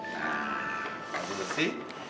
nah habis bersih